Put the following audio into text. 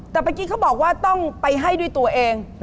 แต่เมื่อกี้เขาบอกว่าต้องไปให้ด้วยตัวเอง